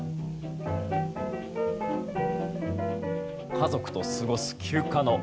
家族と過ごす休暇の映像です。